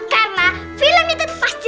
karena film itu pasti